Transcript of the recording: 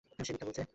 সে মিথ্যা বলছে!